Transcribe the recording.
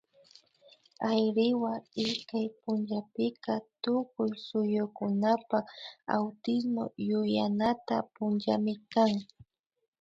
Ayriwa ishkay punllapika tukuy suyukunapak Autismo yuyanata punllami kan